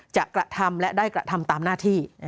กระทำและได้กระทำตามหน้าที่